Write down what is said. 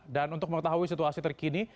dan untuk mengetahui situasi terkini